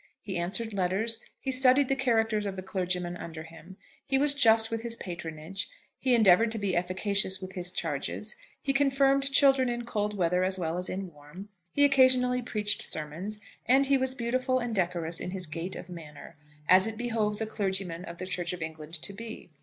He answered letters, he studied the characters of the clergymen under him, he was just with his patronage, he endeavoured to be efficacious with his charges, he confirmed children in cold weather as well as in warm, he occasionally preached sermons, and he was beautiful and decorous in his gait of manner, as it behoves a clergyman of the Church of England to be.